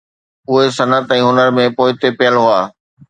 اهي صنعت ۽ هنر ۾ پوئتي پيل هئا